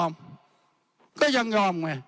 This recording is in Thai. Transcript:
ไม่ยอมก็ยังยอมไง